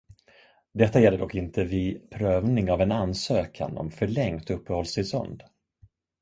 Detta gäller dock inte vid prövning av en ansökan om förlängt uppehållstillstånd.